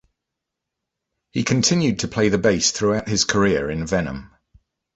He continued to play the bass throughout his career in Venom.